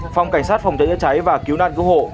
phòng cảnh sát phòng cháy chữa cháy và cứu nạn cứu hộ